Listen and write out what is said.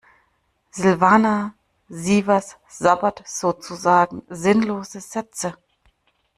Silvana Sievers sabbelt sozusagen sinnlose Sätze.